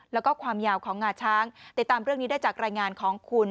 แล้วก็ความยาวของงาช้างติดตามเรื่องนี้ได้จากรายงานของคุณ